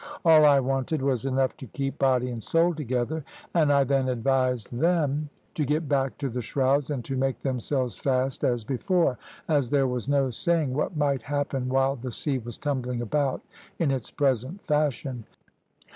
All I wanted was enough to keep body and soul together, and I then advised them to get back to the shrouds, and to make themselves fast as before, as there was no saying what might happen while the sea was tumbling about in its present fashion.